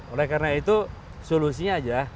oleh karena itu solusinya aja